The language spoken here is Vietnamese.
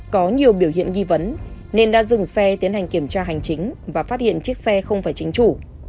có nhiều biểu hiện nghi vấn nên đã dừng xe tiến hành kiểm tra hành chính và phát hiện chiếc xe không phải chính chủ